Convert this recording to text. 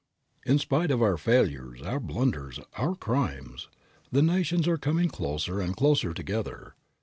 In spite of our failures, our blunders, our crimes, the nations are coming closer and closer together.